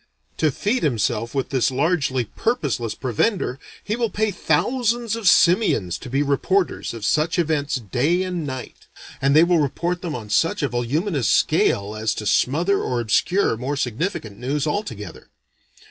To feed himself with this largely purposeless provender, he will pay thousands of simians to be reporters of such events day and night; and they will report them on such a voluminous scale as to smother or obscure more significant news altogether.